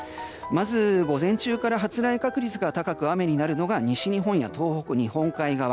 まず、午前中から発雷確率が高く雨になるのが西日本や東北日本海側。